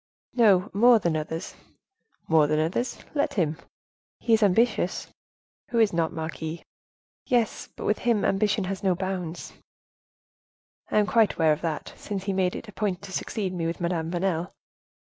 "He more than others." "More than others—let him." "He is ambitious." "Who is not, marquise." "Yes, but with him ambition has no bounds." "I am quite aware of that, since he made it a point to succeed me with Madame Vanel."